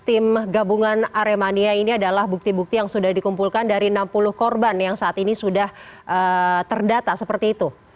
tim gabungan aremania ini adalah bukti bukti yang sudah dikumpulkan dari enam puluh korban yang saat ini sudah terdata seperti itu